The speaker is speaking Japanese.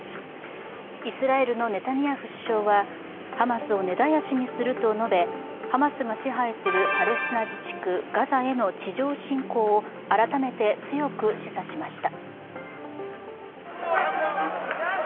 イスラエルのネタニヤフ首相はハマスを根絶やしにすると述べ、ハマスが支配するパレスチナ自治区ガザへの地上侵攻を改めて強く示唆しました。